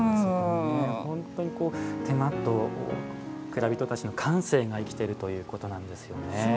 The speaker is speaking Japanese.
本当に手間と蔵人たちの感性が生きてるということなんですよね。